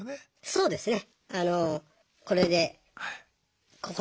そうですね。